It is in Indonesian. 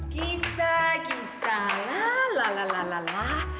kisah kisah lah lah lah lah lah